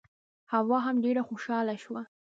حوا هم ډېره خوشاله شوه.